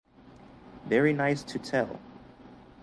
Very nice to tell.